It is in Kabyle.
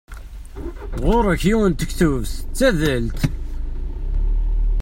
Ɣur-k yiwet n tektubt d tadalt.